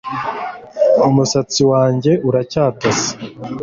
Umusatsi wanjye uracyatose